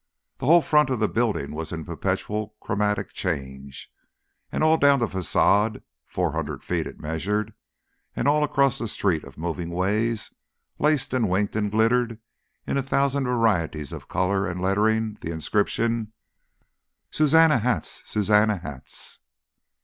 The whole front of the building was in perpetual chromatic change, and all down the façade four hundred feet it measured and all across the street of moving ways, laced and winked and glittered in a thousand varieties of colour and lettering the inscription SUZANNA! 'ETS! SUZANNA! 'ETS!